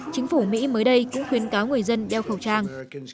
chính phủ mỹ mới đây cũng khuyến cáo người dân đeo khẩu trang